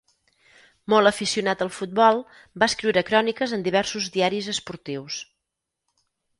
Molt aficionat al futbol va escriure cròniques en diversos diaris esportius.